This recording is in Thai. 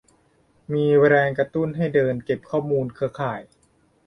มีแรงกระตุ้นให้เดิน เก็บข้อมูลเครือข่าย